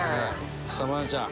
さあ愛菜ちゃん。